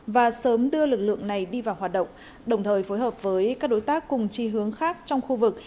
và sớm đưa lực lượng này đi vào hoạt động đồng thời phối hợp với các đối tác cùng chi hướng khác trong khu vực